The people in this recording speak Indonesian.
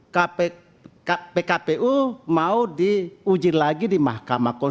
dan pkpu mau diuji lagi di mahkamah